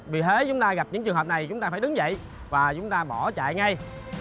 vì thế chúng ta gặp những trường hợp này chúng ta phải đứng dậy và chúng ta bỏ chạy ngay